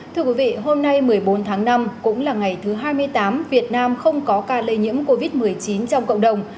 thưa quý vị hôm nay một mươi bốn tháng năm cũng là ngày thứ hai mươi tám việt nam không có ca lây nhiễm covid một mươi chín trong cộng đồng